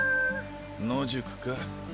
野宿か。